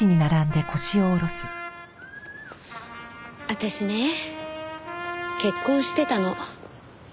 私ね結婚してたの。